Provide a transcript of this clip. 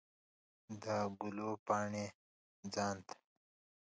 د ګلو پاڼې ځان ته